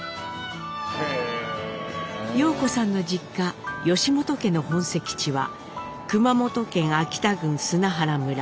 様子さんの実家本家の本籍地は熊本県飽田郡砂原村。